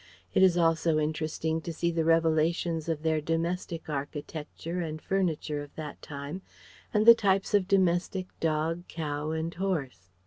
It is also interesting to see the revelations of their domestic architecture and furniture of that time, and the types of domestic dog, cow and horse.